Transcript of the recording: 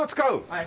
はい。